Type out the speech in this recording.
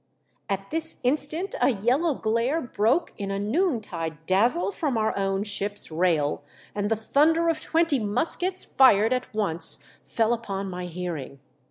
At this instant a yellow glare broke in a noon tide dazzle from our own ship's rail, and the thunder of twenty muskets fired at once fell upon my hearing.